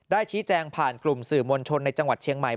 ชี้แจงผ่านกลุ่มสื่อมวลชนในจังหวัดเชียงใหม่